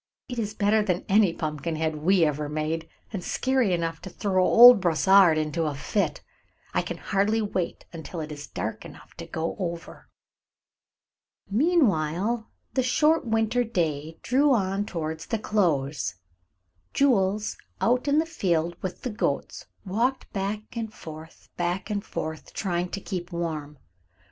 "It is better than any pumpkin head we ever made, and scary enough to throw old Brossard into a fit. I can hardly wait until it is dark enough to go over." Meanwhile the short winter day drew on towards the close. Jules, out in the field with the goats, walked back and forth, back and forth, trying to keep warm.